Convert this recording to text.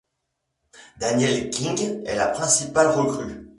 Danielle King est la principale recrue.